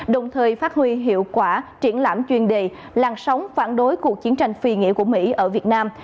đồng thời phát huy hiệu quả triển lãm chuyên đề làn sóng phản đối cuộc chiến tranh phi nghĩa của mỹ ở việt nam